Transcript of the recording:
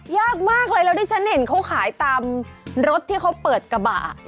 ยากมากเลยแล้วที่ฉันเห็นเขาขายตามรถที่เขาเปิดกระบะ